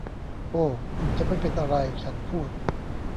โอ้ คุณจะไม่เป็นอะไร ฉันพูด